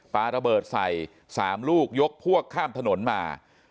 ปลาระเบิดใส่๓ลูกยกพวกข้ามถนนมา